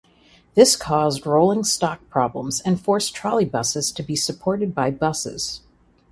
This caused rolling stock problems and forced trolleybuses to be supported by buses.